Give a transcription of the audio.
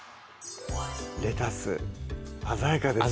レタス鮮やかですね